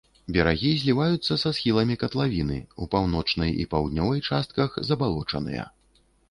Берагі зліваюцца са схіламі катлавіны, у паўночнай і паўднёвай частках забалочаныя.